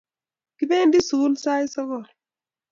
Kipendi sukul sait sogol